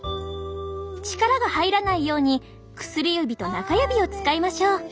力が入らないように薬指と中指を使いましょう。